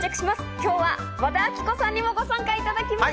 今日は和田アキ子さんにもご参加いただきます。